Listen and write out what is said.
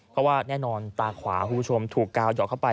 ก็ว่าแน่นอนตาขวาผู้ชมถูกกาวหยอกเข้าไป